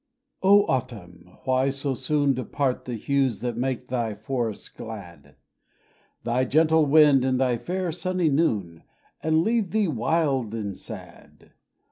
Oh, Autumn! Why so soon Depart the hues that make thy forests glad; Thy gentle wind and thy fair sunny noon, And leave thee wild and sad!